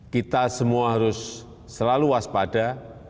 kita semua harus selalu waspada